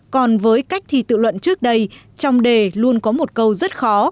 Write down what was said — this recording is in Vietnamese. còn với cách thi tự luận trước đây trong đề luôn có một câu rất khó